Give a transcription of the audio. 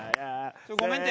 ごめんて。